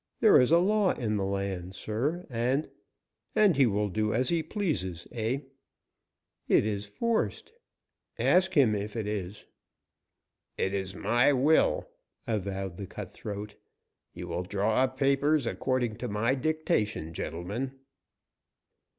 "There is a law in the land, sir, and " "And he will do as he pleases, eh?" "It is forced." "Ask him if it is." "It is my will," avowed the cutthroat. "You will draw up papers according to my dictation, gentlemen."